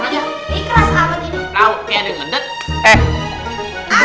ini keras apaan ini